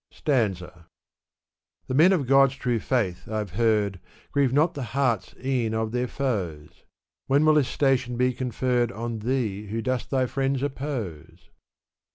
Stanza, The men of God's true fiaith, I've heard, Grieve not the hearts e'en of their foes. When will this station be conferred On thee who dost thy friends oppose?